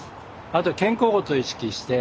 あと肩甲骨を意識して。